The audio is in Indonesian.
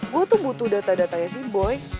gue tuh butuh data datanya sih boy